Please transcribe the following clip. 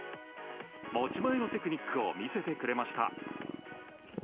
持ち前のテクニックを見せてくれました。